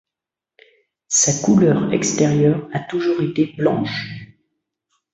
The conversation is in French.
Sa couleur extérieure a toujours été blanche.